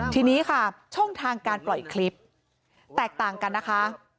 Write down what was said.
ทีนี้ค่ะช่องทางการปล่อยคลิปแตกต่างกันนะคะ